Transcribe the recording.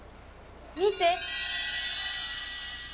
見て！